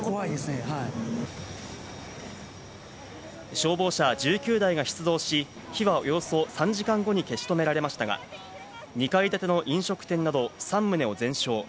消防車１９台が出動し、火はおよそ３時間後に消し止められましたが、２階建ての飲食店など３棟を全焼。